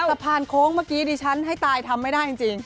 สะพานโค้งเมื่อกี้ดิฉันให้ตายทำไม่ได้จริง